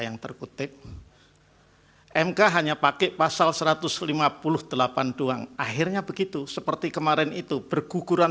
yang terkutip mk hanya pakai pasal satu ratus lima puluh delapan doang akhirnya begitu seperti kemarin itu berguguran